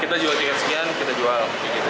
kita jual tiket sekian kita jual